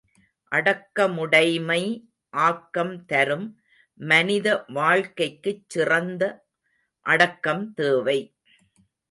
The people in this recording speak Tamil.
அடக்கமுடைமை ஆக்கம் தரும் மனித வாழ்க்கைக்குச் சிறந்த அடக்கம் தேவை.